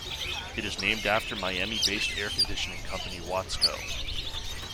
It is named after Miami-based air conditioning company Watsco.